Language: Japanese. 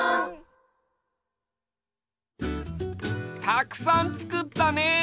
たくさんつくったね！